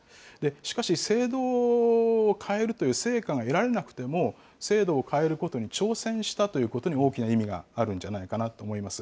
しかし、制度を変えるという成果が得られなくても、制度を変えることに挑戦したということに大きな意味があるんじゃないかなと思います。